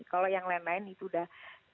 kalau yang lain lain itu udah